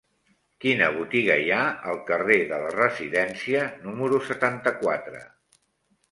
Quina botiga hi ha al carrer de la Residència número setanta-quatre?